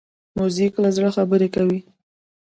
موزیک له زړه خبرې کوي.